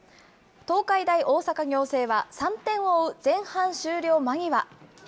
東海大大阪仰星は、３点を追う前半終了間際。